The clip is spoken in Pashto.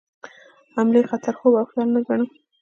حملې خطر خوب او خیال نه ګڼم.